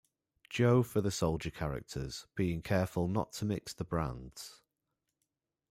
Joe for the soldier characters, being careful not to mix the brands.